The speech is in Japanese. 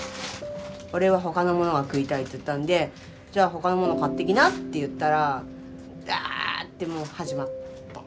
「俺は他のものが食いたい」って言ったんで「じゃあ他のもの買ってきな」って言ったらダーってもう始まった。